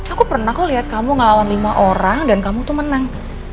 aku pernah kok lihat kamu ngelawan lima orang dan kamu tuh menang